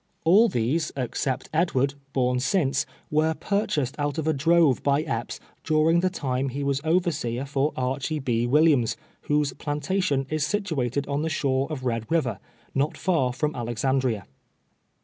All these, except Edward, horn since, were purchased out of a drove by Epps daring the time he was over seer for Archy B. Williams, whose plantation is situa ted on the shore of Red River, not far from Alexan dria.